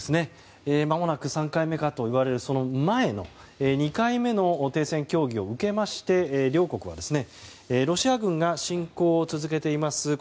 まもなく３回目かといわれるその前の２回目の停戦協議を受けまして両国はロシア軍が侵攻を続けています